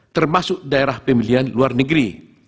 termasuk daerah pemilihan luar negeri